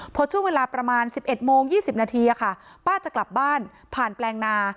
พอช่วงเวลาประมาณ๑๑โมง๒๐นาทีป้าจะกลับบ้านผ่านแปลงนา